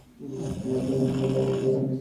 তোমার দোকান তো লাল ডোরের অধীনে।